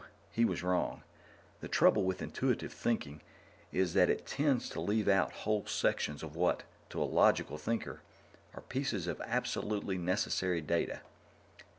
He was wrong. The trouble with intuitive thinking is that it tends to leave out whole sections of what, to a logical thinker, are pieces of absolutely necessary data.